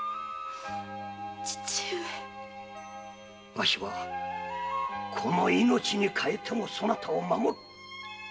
わしはこの命に代えてもお前を守る。